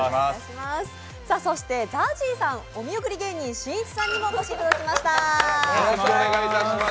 そしてＺＡＺＹさん、お見送り芸人しんいちさんにもお越しいただきました。